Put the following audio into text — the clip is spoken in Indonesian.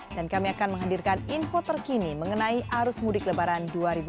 dan kami akan menghadirkan info terkini mengenai arus mudik lebaran dua ribu sembilan belas